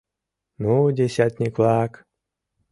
Ну, десятник-влак!